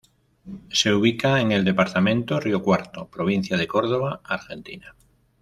Se ubica en en el Departamento Río Cuarto, Provincia de Córdoba, Argentina.